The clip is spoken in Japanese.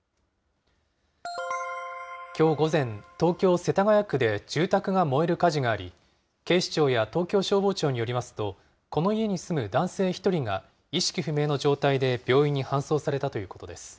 きょう午前、東京・世田谷区で住宅が燃える火事があり、警視庁や東京消防庁によりますと、この家に住む男性１人が意識不明の状態で病院に搬送されたということです。